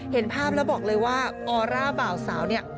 เห็นภาพแล้วบอกเลยว่าออร่าบ่าวสาวเนี่ย